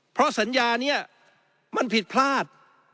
เพราะสัญญานี้มันผิดพลาด